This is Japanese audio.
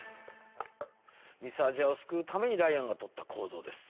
ミス・アジアを救うためにライアンがとった行動です